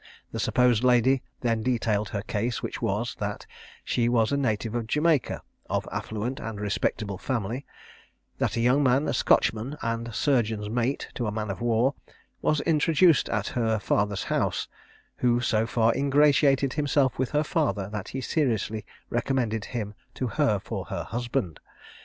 The supposed lady then detailed her case, which was, that she was a native of Jamaica, of affluent and respectable family; that a young man, a Scotchman, and surgeon's mate to a man of war, was introduced at her father's house, who so far ingratiated himself with her father, that he seriously recommended him to her for her husband.